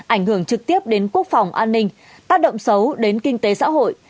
ảnh hưởng trực tiếp đến quốc phòng an ninh tác động xấu đến kinh tế xã hội